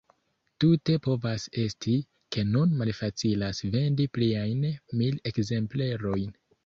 Tute povas esti, ke nun malfacilas vendi pliajn mil ekzemplerojn.